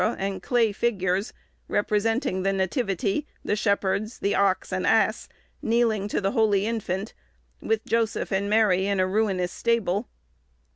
and clay figures, representing the Nativity, the Shepherds, the ox, and ass, kneeling to the Holy Infant, with Joseph and Mary in a ruinous stable.